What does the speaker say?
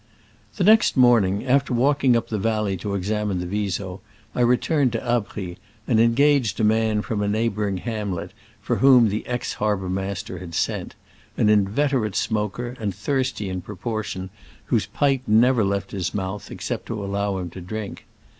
The next morning, after walking up the valley to examine the Viso, I return ed to Abries, and engaged a man from a neighboring hamlet for whom the ex harbormaster had sent — an inveterate smoker, and thirsty in proportion, whose pipe never left his mouth except to allow him to drink.